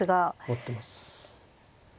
持ってます。